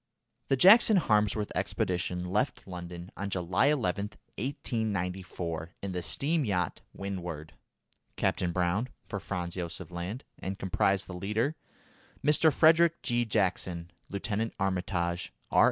The Jackson Harmsworth expedition left London on July 11, 1894, in the steam yacht Windward, Captain Browne, for Franz Josef Land, and comprised the leader, Mr. Frederick G. Jackson; Lieutenant Armitage, R.